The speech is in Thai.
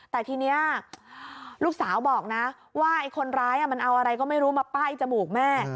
แต่ทีนี้ลูกสาวบอกนะว่าไอ้คนร้ายมันเอาอะไรก็ไม่รู้มาป้ายจมูกแม่